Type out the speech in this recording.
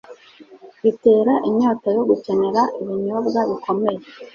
bitera inyota yo gukenera ibinyobwa bikomeye